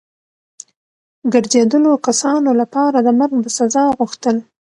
ګرځېدلو کسانو لپاره د مرګ د سزا غوښتل.